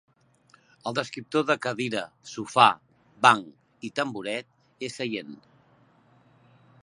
El descriptor de "cadira", "sofà", "banc" i "tamboret" és "seient".